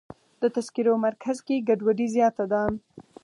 د تذکرو مرکز کې ګډوډي زیاته ده.